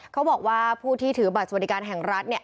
เขาบอกว่าผู้ที่ถือบัตรสวัสดิการแห่งรัฐเนี่ย